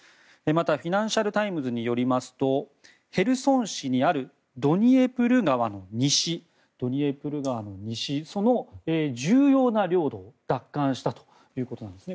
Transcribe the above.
またフィナンシャル・タイムズによりますとヘルソン市にあるドニエプル川の西その重要な領土を奪還したということです。